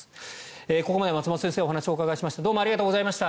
ここまで松本先生にお話をお伺いしました。